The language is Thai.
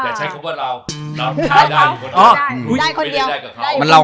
แต่ใช้คำว่าเรา